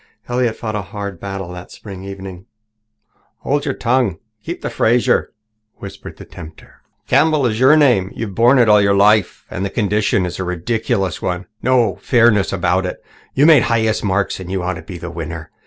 Elliott fought a hard battle that spring evening. "Hold your tongue and keep the Fraser," whispered the tempter. "Campbell is your name. You've borne it all your life. And the condition itself is a ridiculous one no fairness about it. You made the highest marks and you ought to be the winner.